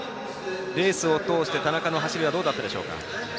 レースを通して田中の走りはどうでしたか？